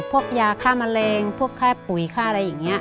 พวกยาฆ่ามะเร็งพวกค่าปุ๋ยค่าอะไรอย่างนี้